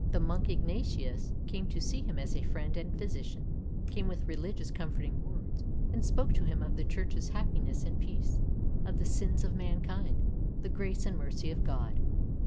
The monk Ignatius came to see him as a friend and physician — came with religious comforting words, and spoke to him of the Church's happiness and peace, of the sins of mankind, the grace and mercy of God.